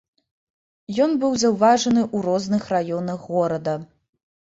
Ён быў заўважаны ў розных раёнах горада.